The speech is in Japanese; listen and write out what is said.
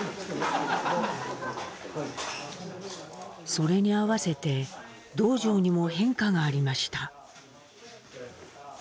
それにあわせて洞場にも変化がありました。